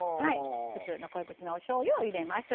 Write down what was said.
普通の濃い口のおしょうゆを入れます。